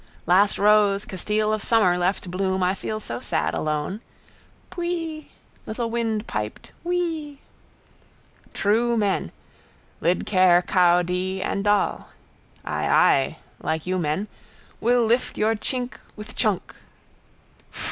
Last rose Castile of summer left bloom I feel so sad alone. Pwee! Little wind piped wee. True men. Lid Ker Cow De and Doll. Ay, ay. Like you men. Will lift your tschink with tschunk.